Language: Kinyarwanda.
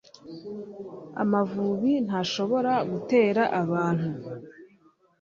Amavubi ntashobora gutera abantu